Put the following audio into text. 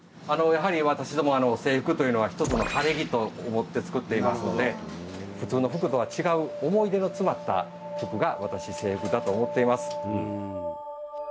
やはり私ども制服というのは一つの晴れ着と思って作っていますので普通の服とは違う思い出の詰まった服が私制服だと思っています。